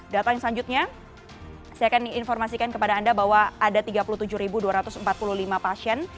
data yang selanjutnya saya akan informasikan kepada anda bahwa ada tiga puluh tujuh dua ratus empat puluh lima pasien